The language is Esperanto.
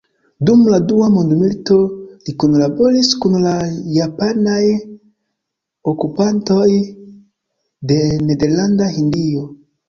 Dum la Dua mondmilito li kunlaboris kun la japanaj okupantoj de Nederlanda Hindio.